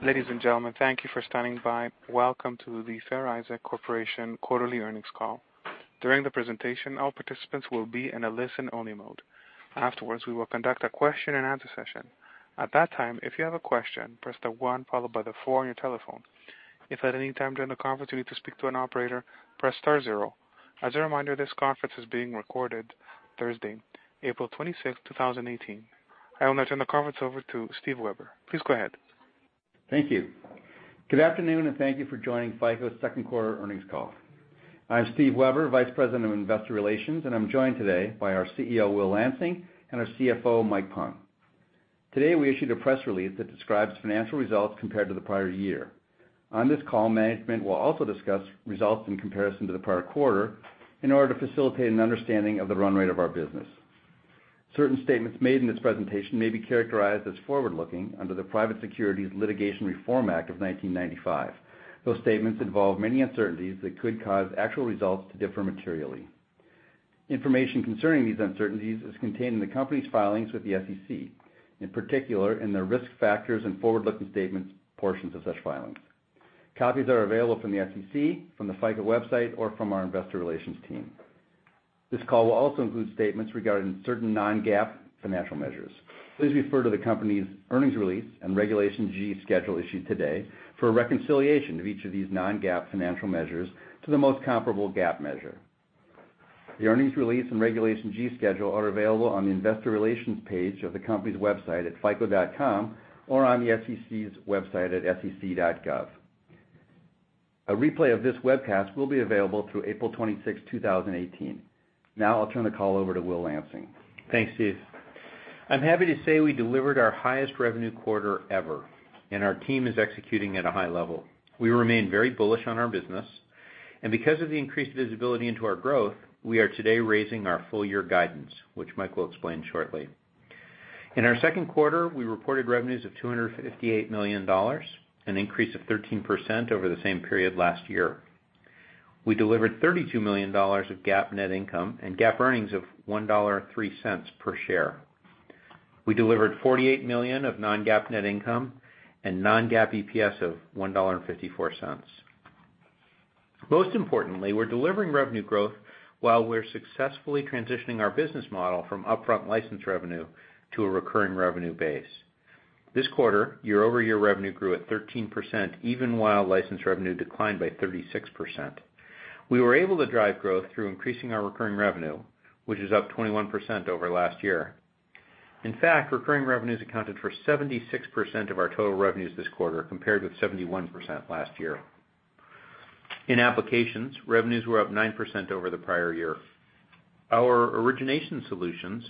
Ladies and gentlemen, thank you for standing by. Welcome to the Fair Isaac Corporation quarterly earnings call. During the presentation, all participants will be in a listen-only mode. Afterwards, we will conduct a question and answer session. At that time, if you have a question, press the one followed by the four on your telephone. If at any time during the conference you need to speak to an operator, press star zero. As a reminder, this conference is being recorded Thursday, April 26th, 2018. I will now turn the conference over to Steve Weber. Please go ahead. Thank you. Good afternoon, and thank you for joining FICO's second quarter earnings call. I'm Steve Weber, Vice President of Investor Relations, and I'm joined today by our CEO, Will Lansing, and our CFO, Mike Pyle. Today, we issued a press release that describes financial results compared to the prior year. On this call, management will also discuss results in comparison to the prior quarter in order to facilitate an understanding of the run rate of our business. Certain statements made in this presentation may be characterized as forward-looking under the Private Securities Litigation Reform Act of 1995. Those statements involve many uncertainties that could cause actual results to differ materially. Information concerning these uncertainties is contained in the company's filings with the SEC, in particular in their risk factors and forward-looking statements portions of such filings. Copies are available from the SEC, from the FICO website, or from our investor relations team. This call will also include statements regarding certain non-GAAP financial measures. Please refer to the company's earnings release and Regulation G schedule issued today for a reconciliation of each of these non-GAAP financial measures to the most comparable GAAP measure. The earnings release and Regulation G schedule are available on the investor relations page of the company's website at fico.com, or on the SEC's website at sec.gov. A replay of this webcast will be available through April 26th, 2018. Now I'll turn the call over to Will Lansing. Thanks, Steve. I'm happy to say we delivered our highest revenue quarter ever, and our team is executing at a high level. We remain very bullish on our business, and because of the increased visibility into our growth, we are today raising our full year guidance, which Mike will explain shortly. In our second quarter, we reported revenues of $258 million, an increase of 13% over the same period last year. We delivered $32 million of GAAP net income and GAAP earnings of $1.03 per share. We delivered $48 million of non-GAAP net income and non-GAAP EPS of $1.54. Most importantly, we're delivering revenue growth while we're successfully transitioning our business model from upfront license revenue to a recurring revenue base. This quarter, year-over-year revenue grew at 13%, even while license revenue declined by 36%. We were able to drive growth through increasing our recurring revenue, which is up 21% over last year. In fact, recurring revenues accounted for 76% of our total revenues this quarter, compared with 71% last year. In applications, revenues were up 9% over the prior year. Our origination solutions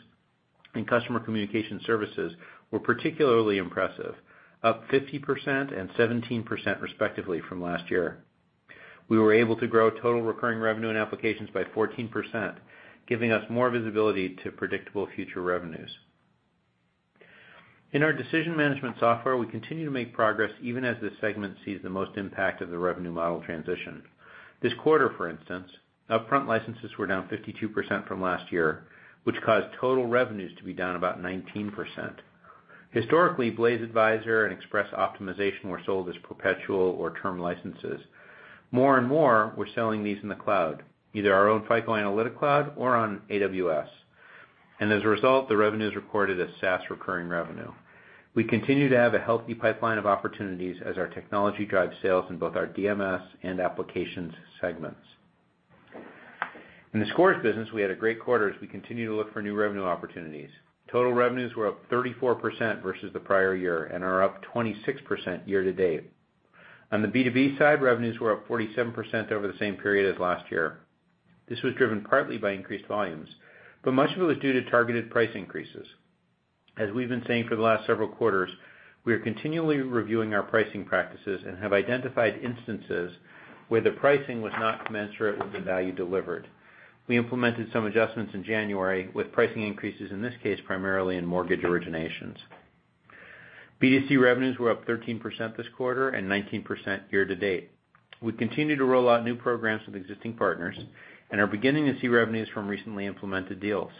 and FICO Customer Communication Services were particularly impressive, up 50% and 17% respectively from last year. We were able to grow total recurring revenue and applications by 14%, giving us more visibility to predictable future revenues. In our decision management software, we continue to make progress even as this segment sees the most impact of the revenue model transition. This quarter, for instance, upfront licenses were down 52% from last year, which caused total revenues to be down about 19%. Historically, FICO Blaze Advisor and FICO Xpress Optimization were sold as perpetual or term licenses. More and more, we're selling these in the cloud, either our own FICO Analytic Cloud or on AWS. As a result, the revenue is recorded as SaaS recurring revenue. We continue to have a healthy pipeline of opportunities as our technology drives sales in both our DMS and applications segments. In the scores business, we had a great quarter as we continue to look for new revenue opportunities. Total revenues were up 34% versus the prior year and are up 26% year to date. On the B2B side, revenues were up 47% over the same period as last year. This was driven partly by increased volumes, but much of it was due to targeted price increases. As we've been saying for the last several quarters, we are continually reviewing our pricing practices and have identified instances where the pricing was not commensurate with the value delivered. We implemented some adjustments in January with price increases, in this case, primarily in mortgage originations. B2C revenues were up 13% this quarter and 19% year to date. We continue to roll out new programs with existing partners and are beginning to see revenues from recently implemented deals.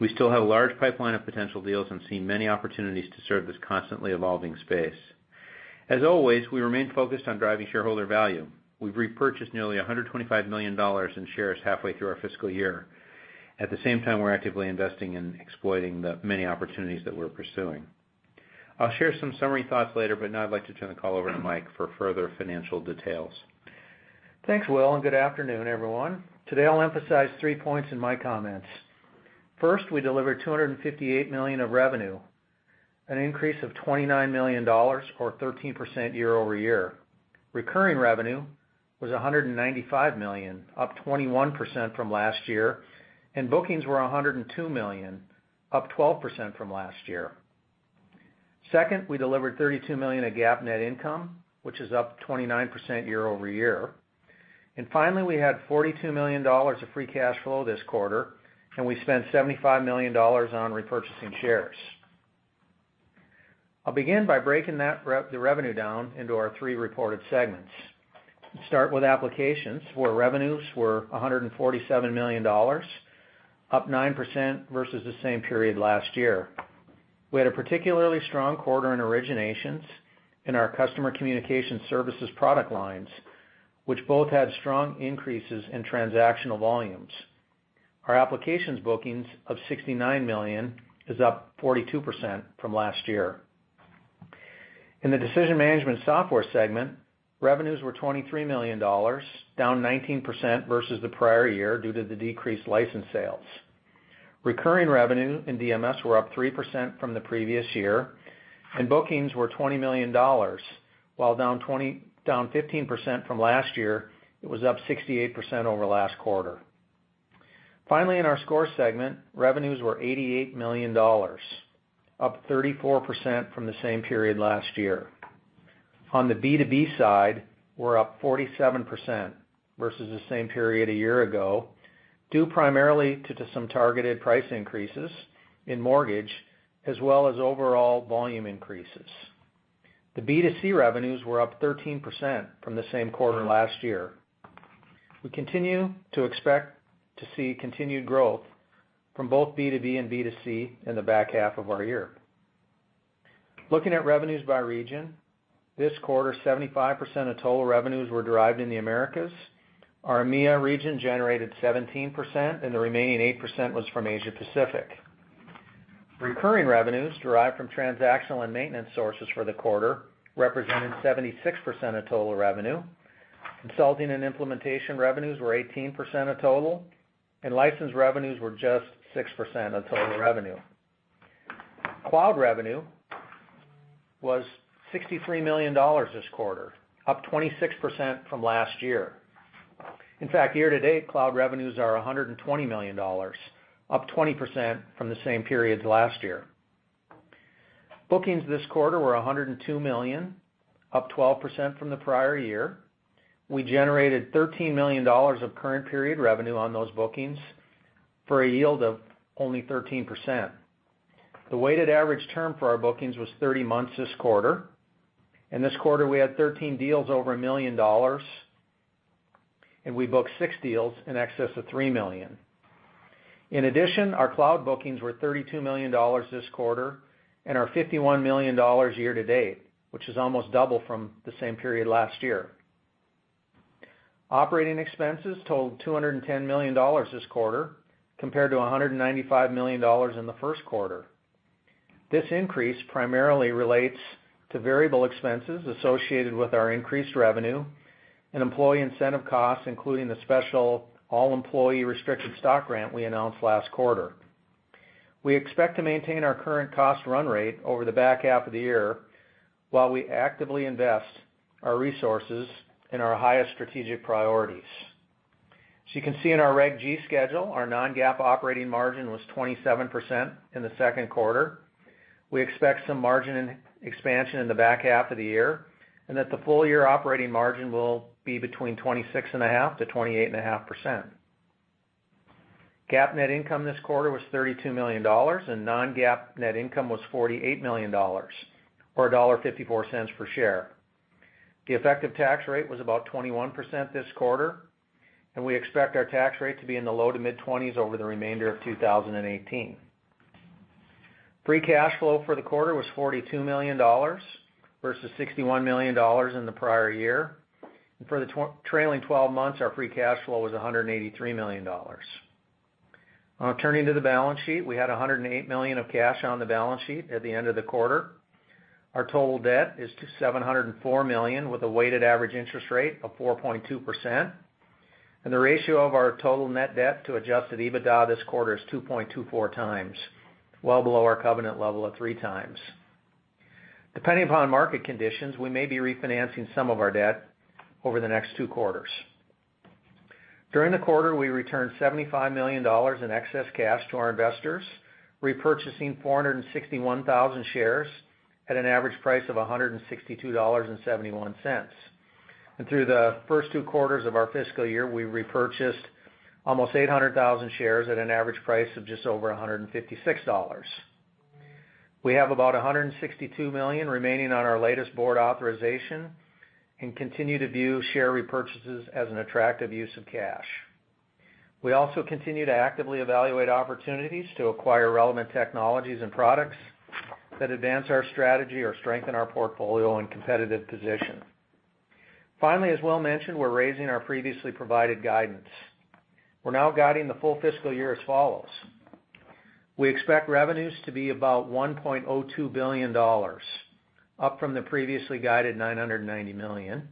We still have a large pipeline of potential deals and see many opportunities to serve this constantly evolving space. As always, we remain focused on driving shareholder value. We've repurchased nearly $125 million in shares halfway through our fiscal year. At the same time, we're actively investing in exploiting the many opportunities that we're pursuing. I'll share some summary thoughts later, but now I'd like to turn the call over to Mike for further financial details. Thanks, Will, and good afternoon, everyone. Today, I'll emphasize three points in my comments. First, we delivered $258 million of revenue, an increase of $29 million or 13% year over year. Recurring revenue was $195 million, up 21% from last year, and bookings were $102 million, up 12% from last year. Second, we delivered $32 million of GAAP net income, which is up 29% year over year. Finally, we had $42 million of free cash flow this quarter, and we spent $75 million on repurchasing shares. I'll begin by breaking the revenue down into our three reported segments. Start with applications, where revenues were $147 million. Up 9% versus the same period last year. We had a particularly strong quarter in originations in our FICO Customer Communication Services product lines, which both had strong increases in transactional volumes. Our applications bookings of $69 million is up 42% from last year. In the decision management software segment, revenues were $23 million, down 19% versus the prior year due to the decreased license sales. Recurring revenue and DMS were up 3% from the previous year, and bookings were $20 million. While down 15% from last year, it was up 68% over last quarter. Finally, in our score segment, revenues were $88 million, up 34% from the same period last year. On the B2B side, we're up 47% versus the same period a year ago, due primarily to some targeted price increases in mortgage as well as overall volume increases. The B2C revenues were up 13% from the same quarter last year. We continue to expect to see continued growth from both B2B and B2C in the back half of our year. Looking at revenues by region, this quarter, 75% of total revenues were derived in the Americas. Our EMEIA region generated 17%, and the remaining 8% was from Asia Pacific. Recurring revenues derived from transactional and maintenance sources for the quarter represented 76% of total revenue. Consulting and implementation revenues were 18% of total, and license revenues were just 6% of total revenue. Cloud revenue was $63 million this quarter, up 26% from last year. In fact, year-to-date, cloud revenues are $120 million, up 20% from the same period last year. Bookings this quarter were $102 million, up 12% from the prior year. We generated $13 million of current period revenue on those bookings for a yield of only 13%. The weighted average term for our bookings was 30 months this quarter, and this quarter, we had 13 deals over $1 million, and we booked six deals in excess of $3 million. In addition, our cloud bookings were $32 million this quarter and are $51 million year-to-date, which is almost double from the same period last year. Operating expenses totaled $210 million this quarter, compared to $195 million in the first quarter. This increase primarily relates to variable expenses associated with our increased revenue and employee incentive costs, including the special all-employee restricted stock grant we announced last quarter. We expect to maintain our current cost run rate over the back half of the year while we actively invest our resources in our highest strategic priorities. You can see in our Reg G schedule, our non-GAAP operating margin was 27% in the second quarter. We expect some margin expansion in the back half of the year, and that the full-year operating margin will be between 26.5%-28.5%. GAAP net income this quarter was $32 million, and non-GAAP net income was $48 million, or $1.54 per share. The effective tax rate was about 21% this quarter, and we expect our tax rate to be in the low to mid-20s over the remainder of 2018. Free cash flow for the quarter was $42 million, versus $61 million in the prior year. For the trailing 12 months, our free cash flow was $183 million. Now turning to the balance sheet, we had $108 million of cash on the balance sheet at the end of the quarter. Our total debt is $704 million, with a weighted average interest rate of 4.2%. The ratio of our total net debt to adjusted EBITDA this quarter is 2.24 times, well below our covenant level of 3 times. Depending upon market conditions, we may be refinancing some of our debt over the next two quarters. During the quarter, we returned $75 million in excess cash to our investors, repurchasing 461,000 shares at an average price of $162.71. Through the first two quarters of our fiscal year, we repurchased almost 800,000 shares at an average price of just over $156. We have about $162 million remaining on our latest board authorization and continue to view share repurchases as an attractive use of cash. We also continue to actively evaluate opportunities to acquire relevant technologies and products that advance our strategy or strengthen our portfolio and competitive position. Finally, as Will mentioned, we are raising our previously provided guidance. We are now guiding the full fiscal year as follows. We expect revenues to be about $1.02 billion, up from the previously guided $990 million.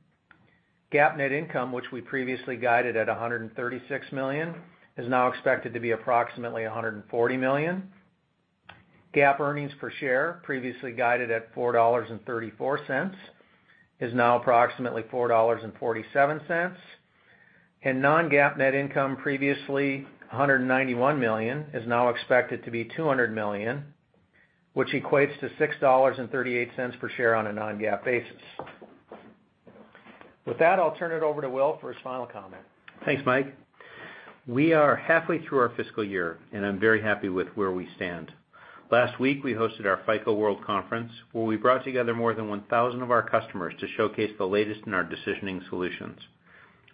GAAP net income, which we previously guided at $136 million, is now expected to be approximately $140 million. GAAP earnings per share, previously guided at $4.34, is now approximately $4.47. Non-GAAP net income, previously $191 million, is now expected to be $200 million, which equates to $6.38 per share on a non-GAAP basis. With that, I will turn it over to Will for his final comment. Thanks, Mike. We are halfway through our fiscal year, and I am very happy with where we stand. Last week, we hosted our FICO World Conference, where we brought together more than 1,000 of our customers to showcase the latest in our decisioning solutions.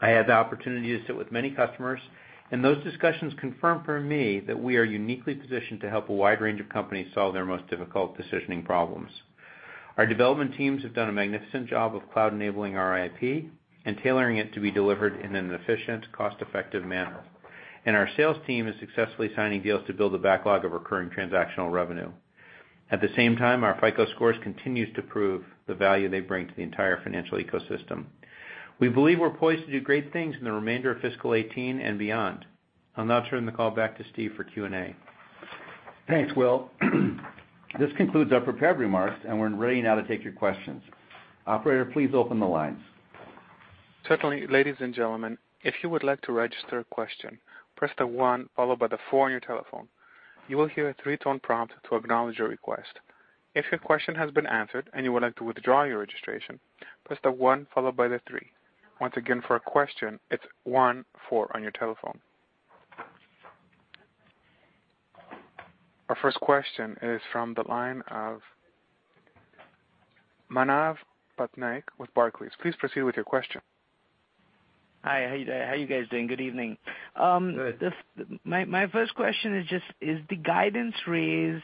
I had the opportunity to sit with many customers, and those discussions confirmed for me that we are uniquely positioned to help a wide range of companies solve their most difficult decisioning problems. Our development teams have done a magnificent job of cloud-enabling our IP and tailoring it to be delivered in an efficient, cost-effective manner. Our sales team is successfully signing deals to build a backlog of recurring transactional revenue. At the same time, our FICO Scores continues to prove the value they bring to the entire financial ecosystem. We believe we are poised to do great things in the remainder of fiscal 2018 and beyond. I will now turn the call back to Steve for Q&A. Thanks, Will. This concludes our prepared remarks. We're ready now to take your questions. Operator, please open the lines. Certainly. Ladies and gentlemen, if you would like to register a question, press the one followed by the four on your telephone. You will hear a three-tone prompt to acknowledge your request. If your question has been answered and you would like to withdraw your registration, press the one followed by the three. Once again, for a question, it's one, four on your telephone. Our first question is from the line of Manav Patnaik with Barclays. Please proceed with your question. Hi, how you guys doing? Good evening. Good. My first question is just, is the guidance raise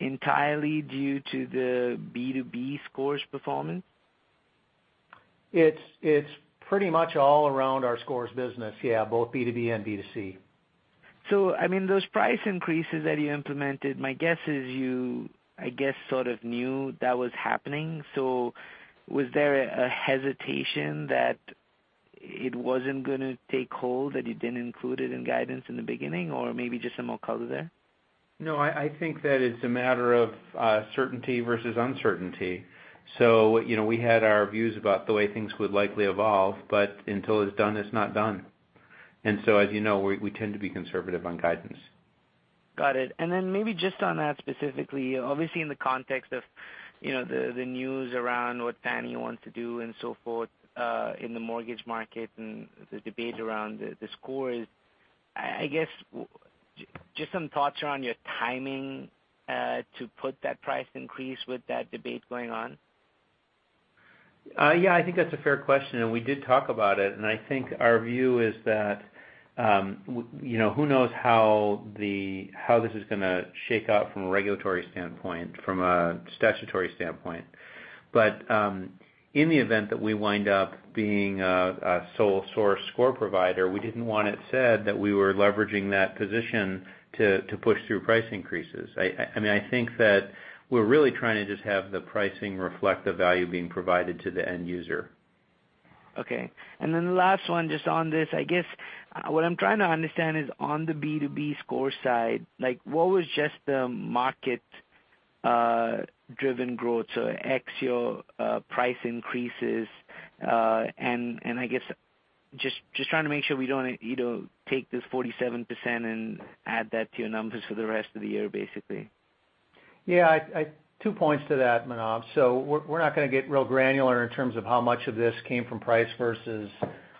entirely due to the B2B scores performance? It's pretty much all around our scores business, yeah, both B2B and B2C. Those price increases that you implemented, my guess is you sort of knew that was happening. Was there a hesitation that it wasn't going to take hold, that you didn't include it in guidance in the beginning? Maybe just some more color there? No, I think that it's a matter of certainty versus uncertainty. We had our views about the way things would likely evolve, but until it's done, it's not done. As you know, we tend to be conservative on guidance. Got it. Then maybe just on that specifically, obviously in the context of the news around what Fannie wants to do and so forth, in the mortgage market and the debate around the scores. I guess, just some thoughts around your timing to put that price increase with that debate going on. Yeah, I think that's a fair question, and we did talk about it. I think our view is that, who knows how this is going to shake out from a regulatory standpoint, from a statutory standpoint. In the event that we wind up being a sole source score provider, we didn't want it said that we were leveraging that position to push through price increases. I think that we're really trying to just have the pricing reflect the value being provided to the end user. Okay. The last one just on this, I guess what I'm trying to understand is on the B2B score side, what was just the market-driven growth? Ex your price increases, I guess just trying to make sure we don't take this 47% and add that to your numbers for the rest of the year, basically. Yeah. Two points to that, Manav. We're not going to get real granular in terms of how much of this came from price versus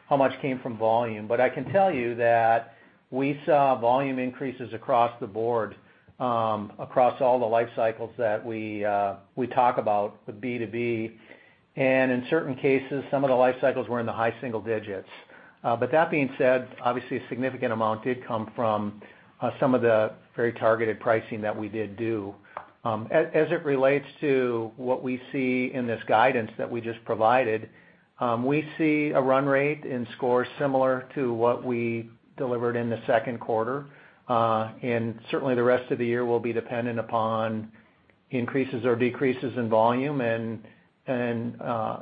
how much came from volume. I can tell you that we saw volume increases across the board, across all the life cycles that we talk about with B2B. In certain cases, some of the life cycles were in the high single digits. That being said, obviously, a significant amount did come from some of the very targeted pricing that we did do. As it relates to what we see in this guidance that we just provided, we see a run rate in scores similar to what we delivered in the second quarter. Certainly, the rest of the year will be dependent upon increases or decreases in volume and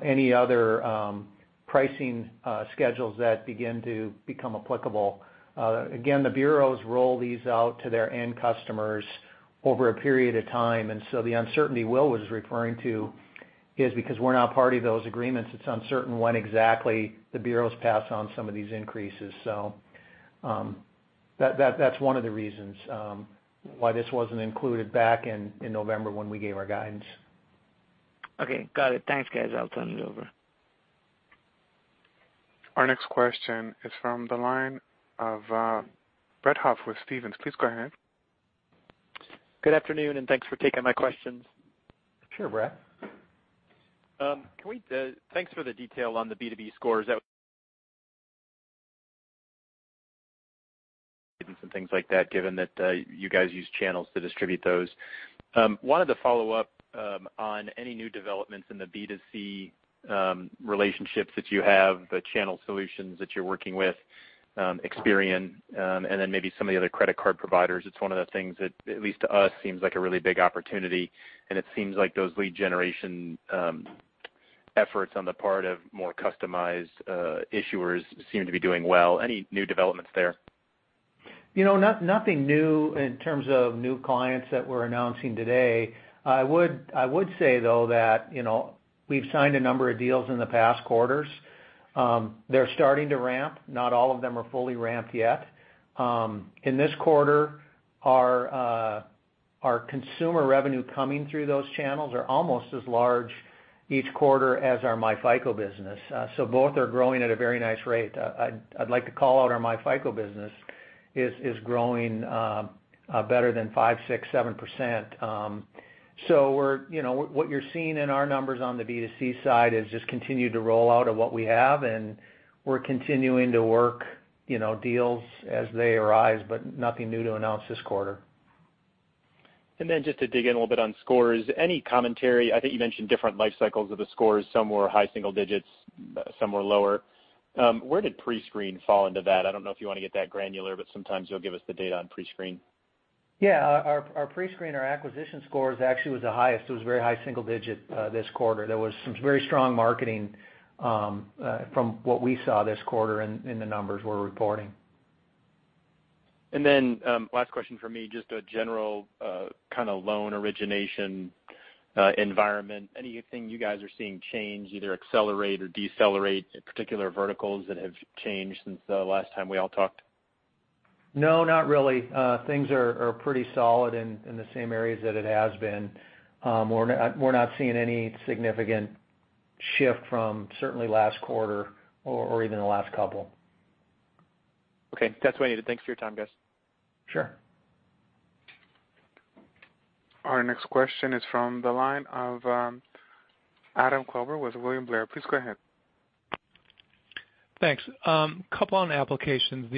any other pricing schedules that begin to become applicable. Again, the bureaus roll these out to their end customers over a period of time. The uncertainty Will was referring to is because we're not party to those agreements, it's uncertain when exactly the bureaus pass on some of these increases. That's one of the reasons why this wasn't included back in November when we gave our guidance. Okay, got it. Thanks, guys. I'll turn it over. Our next question is from the line of Brett Huff with Stephens. Please go ahead. Good afternoon, thanks for taking my questions. Sure, Brett. Thanks for the detail on the B2B scores. Some things like that, given that you guys use channels to distribute those, I wanted to follow up on any new developments in the B2C relationships that you have, the channel solutions that you're working with, Experian, and then maybe some of the other credit card providers. It's one of the things that, at least to us, seems like a really big opportunity, and it seems like those lead generation efforts on the part of more customized issuers seem to be doing well. Any new developments there? Nothing new in terms of new clients that we're announcing today. I would say, though, that we've signed a number of deals in the past quarters. They're starting to ramp. Not all of them are fully ramped yet. In this quarter, our consumer revenue coming through those channels are almost as large each quarter as our myFICO business. Both are growing at a very nice rate. I'd like to call out our myFICO business is growing better than 5%, 6%, 7%. What you're seeing in our numbers on the B2C side is just continued to roll out of what we have, and we're continuing to work deals as they arise, but nothing new to announce this quarter. Just to dig in a little bit on scores, any commentary, I think you mentioned different life cycles of the scores, some were high single digits, some were lower. Where did Prescreen fall into that? I don't know if you want to get that granular, but sometimes you'll give us the data on Prescreen. Yeah. Our Prescreen, our acquisition scores actually was the highest. It was very high single digit this quarter. There was some very strong marketing, from what we saw this quarter in the numbers we're reporting. last question from me, just a general kind of loan origination environment. Anything you guys are seeing change, either accelerate or decelerate, particular verticals that have changed since the last time we all talked? No, not really. Things are pretty solid in the same areas that it has been. We're not seeing any significant shift from certainly last quarter or even the last couple. Okay. That's what I needed. Thanks for your time, guys. Sure. Our next question is from the line of Adam Klauber with William Blair. Please go ahead. Thanks. Couple on applications.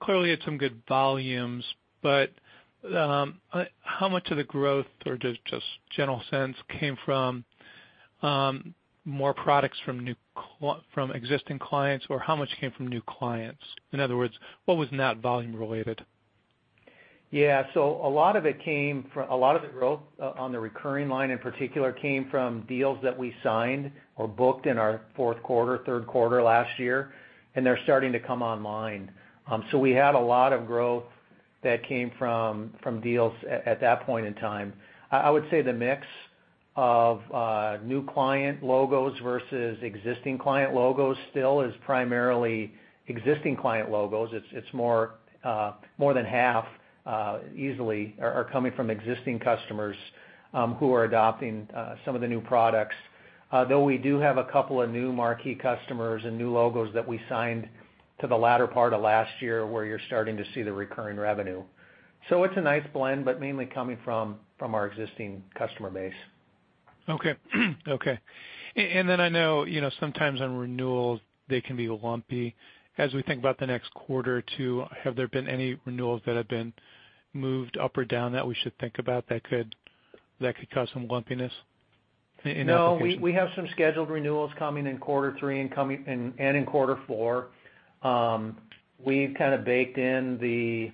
Clearly, it's some good volumes. How much of the growth, or just general sense, came from more products from existing clients, or how much came from new clients? In other words, what was not volume related? Yeah. A lot of the growth on the recurring line in particular came from deals that we signed or booked in our fourth quarter, third quarter last year, and they're starting to come online. We had a lot of growth that came from deals at that point in time. I would say the mix of new client logos versus existing client logos still is primarily existing client logos. It's more than half, easily, are coming from existing customers who are adopting some of the new products. Though we do have a couple of new marquee customers and new logos that we signed to the latter part of last year, where you're starting to see the recurring revenue. It's a nice blend, but mainly coming from our existing customer base. Okay. I know, sometimes on renewals, they can be lumpy. As we think about the next quarter or two, have there been any renewals that have been moved up or down that we should think about that could cause some lumpiness in applications? No, we have some scheduled renewals coming in quarter three and in quarter four. We've kind of baked in the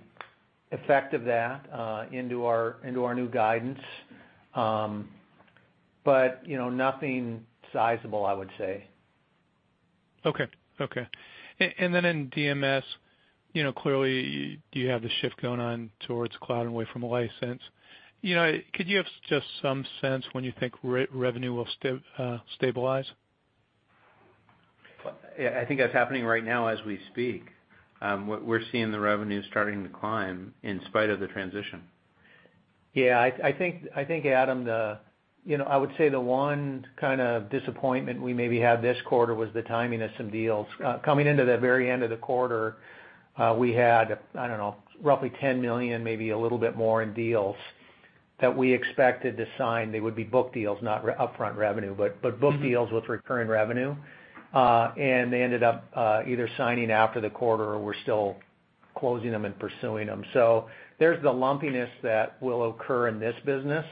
effect of that into our new guidance. Nothing sizable, I would say. Okay. In DMS, clearly, you have the shift going on towards cloud and away from license. Could you have just some sense when you think revenue will stabilize? I think that's happening right now as we speak. We're seeing the revenue starting to climb in spite of the transition. Yeah, I think, Adam, I would say the one kind of disappointment we maybe had this quarter was the timing of some deals. Coming into the very end of the quarter, we had, I don't know, roughly $10 million, maybe a little bit more in deals that we expected to sign. They would be book deals, not upfront revenue, but book deals with recurring revenue. They ended up either signing after the quarter or we're still closing them and pursuing them. There's the lumpiness that will occur in this business,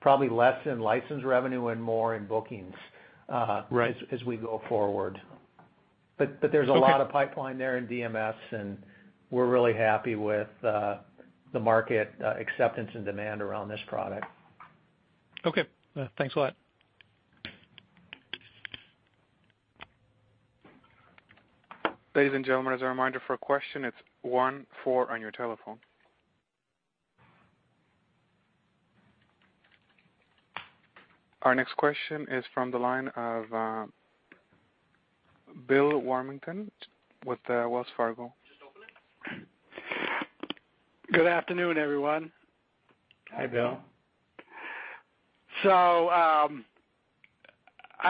probably less in license revenue and more in bookings. Right As we go forward. There's a lot of pipeline there in DMS, and we're really happy with the market acceptance and demand around this product. Okay. Thanks a lot. Ladies and gentlemen, as a reminder for a question, it's one, four on your telephone. Our next question is from the line of Bill Warmington with Wells Fargo. Good afternoon, everyone. Hi, Bill. I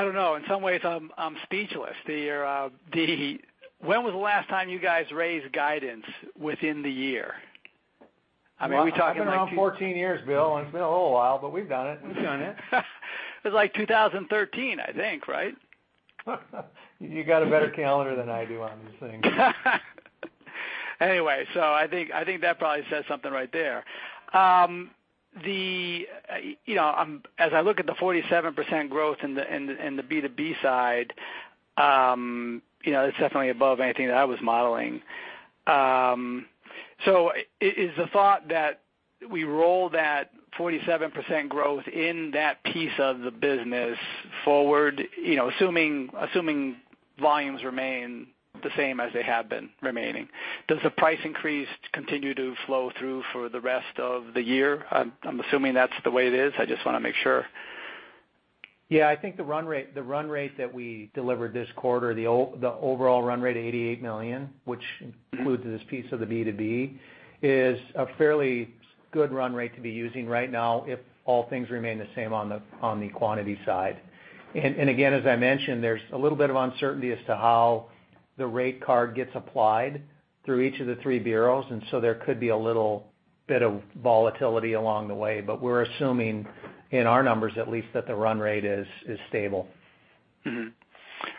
don't know, in some ways I'm speechless. When was the last time you guys raised guidance within the year? I mean, are we talking like two- It's been around 14 years, Bill, and it's been a little while, but we've done it. We've done it. It was like 2013, I think, right? You got a better calendar than I do on this thing. Anyway, I think that probably says something right there. As I look at the 47% growth in the B2B side, it is definitely above anything that I was modeling. Is the thought that we roll that 47% growth in that piece of the business forward, assuming volumes remain the same as they have been remaining. Does the price increase continue to flow through for the rest of the year? I am assuming that is the way it is. I just want to make sure. Yeah, I think the run rate that we delivered this quarter, the overall run rate of $88 million, which includes this piece of the B2B, is a fairly good run rate to be using right now if all things remain the same on the quantity side. Again, as I mentioned, there is a little bit of uncertainty as to how the rate card gets applied through each of the three bureaus, there could be a little bit of volatility along the way. We are assuming, in our numbers at least, that the run rate is stable.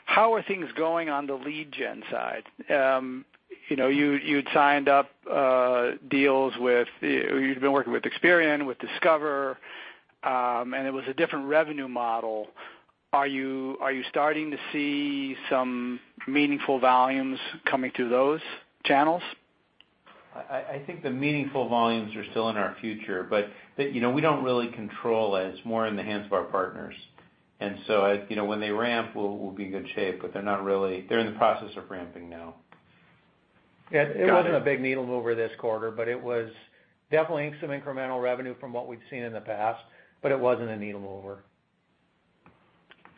How are things going on the lead gen side? You have been working with Experian, with Discover, it was a different revenue model. Are you starting to see some meaningful volumes coming through those channels? I think the meaningful volumes are still in our future, but we don't really control it. It's more in the hands of our partners. When they ramp, we'll be in good shape, but they're in the process of ramping now. Yeah. It wasn't Got it. It wasn't a big needle mover this quarter, but it was definitely some incremental revenue from what we've seen in the past, but it wasn't a needle mover.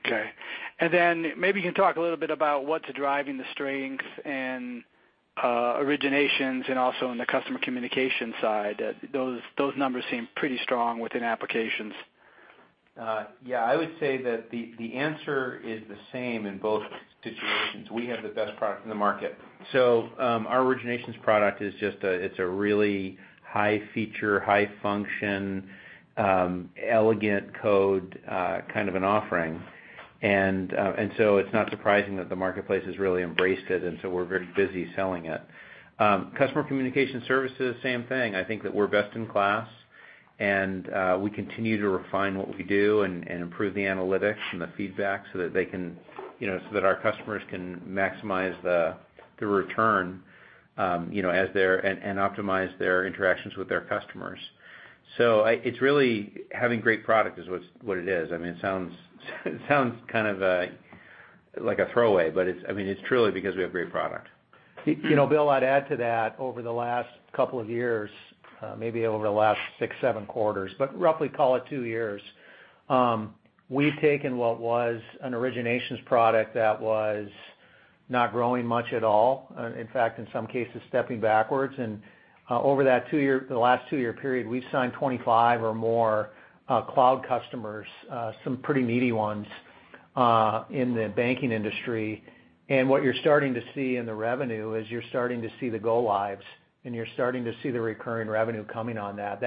Okay. Maybe you can talk a little bit about what's driving the strength in originations and also in the customer communication side. Those numbers seem pretty strong within applications. Yeah. I would say that the answer is the same in both situations. We have the best product in the market. Our originations product is a really high-feature, high-function, elegant code kind of an offering. It's not surprising that the marketplace has really embraced it, and so we're very busy selling it. FICO Customer Communication Services, same thing. I think that we're best in class, and we continue to refine what we do and improve the analytics and the feedback so that our customers can maximize the return and optimize their interactions with their customers. It's really having great product is what it is. It sounds kind of like a throwaway, but it's truly because we have great product. Bill, I'd add to that, over the last couple of years, maybe over the last six, seven quarters, but roughly call it two years, we've taken what was an originations product that was not growing much at all, in fact, in some cases, stepping backwards. Over the last two-year period, we've signed 25 or more cloud customers, some pretty meaty ones, in the banking industry. What you're starting to see in the revenue is you're starting to see the go lives, and you're starting to see the recurring revenue coming on that.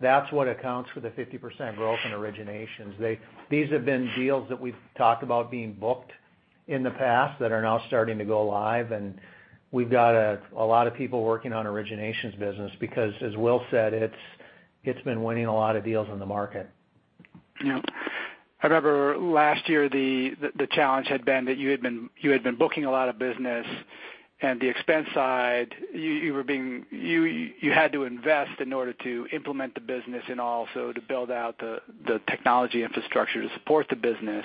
That's what accounts for the 50% growth in originations. These have been deals that we've talked about being booked in the past that are now starting to go live. We've got a lot of people working on originations business because, as Will said, it's been winning a lot of deals in the market. Yeah. I remember last year, the challenge had been that you had been booking a lot of business and the expense side, you had to invest in order to implement the business and also to build out the technology infrastructure to support the business.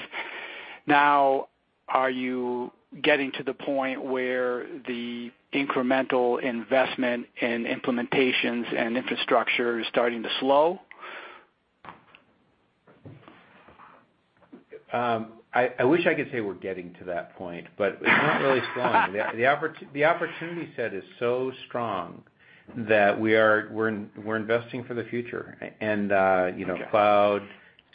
Now, are you getting to the point where the incremental investment in implementations and infrastructure is starting to slow? I wish I could say we're getting to that point, but it's not really slowing. The opportunity set is so strong that we're investing for the future. Got you cloud,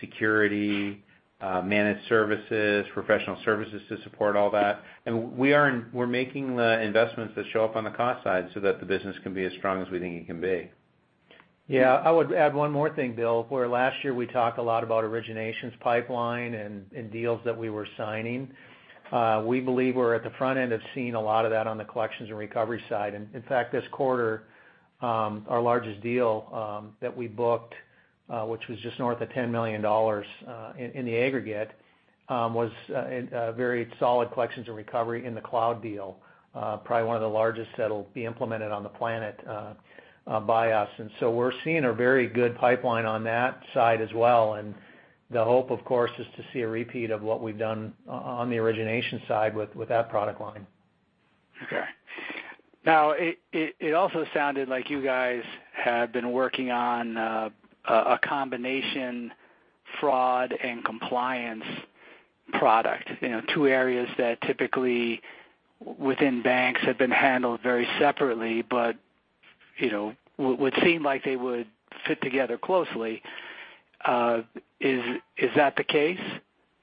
security, managed services, professional services to support all that. We're making the investments that show up on the cost side so that the business can be as strong as we think it can be. Yeah. I would add one more thing, Bill, where last year we talked a lot about originations pipeline and deals that we were signing. We believe we're at the front end of seeing a lot of that on the collections and recovery side. In fact, this quarter, our largest deal that we booked, which was just north of $10 million in the aggregate, was a very solid collections and recovery in the cloud deal. Probably one of the largest that'll be implemented on the planet by us. We're seeing a very good pipeline on that side as well. The hope, of course, is to see a repeat of what we've done on the origination side with that product line. Okay. It also sounded like you guys have been working on a combination fraud and compliance product. Two areas that typically, within banks, have been handled very separately, but would seem like they would fit together closely. Is that the case?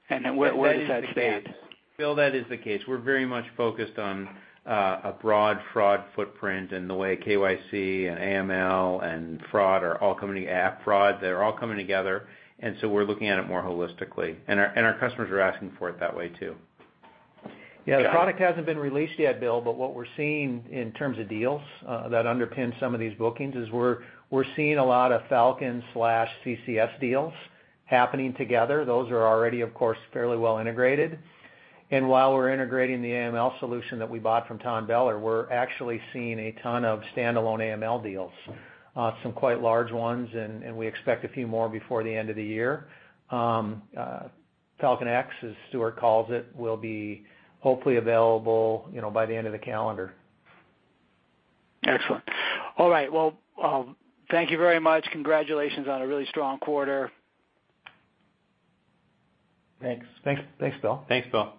Where does that stand? Bill, that is the case. We're very much focused on a broad fraud footprint and the way KYC and AML and fraud are all coming to app fraud. They're all coming together, we're looking at it more holistically. Our customers are asking for it that way too. Yeah. The product hasn't been released yet, Bill, but what we're seeing in terms of deals that underpin some of these bookings is we're seeing a lot of Falcon/CCS deals happening together. Those are already, of course, fairly well integrated. While we're integrating the AML solution that we bought from Tonbeller, we're actually seeing a ton of standalone AML deals, some quite large ones, and we expect a few more before the end of the year. Falcon X, as Stuart calls it, will be hopefully available by the end of the calendar. Excellent. All right. Well, thank you very much. Congratulations on a really strong quarter. Thanks, Bill. Thanks, Bill.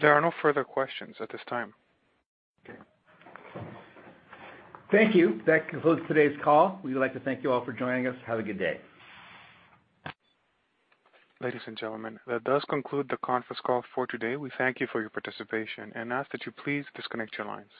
There are no further questions at this time. Okay. Thank you. That concludes today's call. We would like to thank you all for joining us. Have a good day. Ladies and gentlemen, that does conclude the conference call for today. We thank you for your participation and ask that you please disconnect your lines.